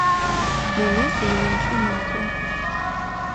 Нэнэжъ унэмкӏэ макӏо.